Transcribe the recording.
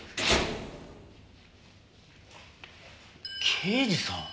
刑事さん。